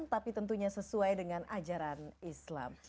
tapi tentunya sesuai dengan ajaran islam